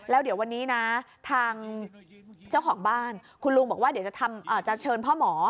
แล้วเดี๋ยววันนี้นะทางเจ้าของบ้านคุณลุงบอกว่าเดี๋ยวจะเชิญพ่อหมอ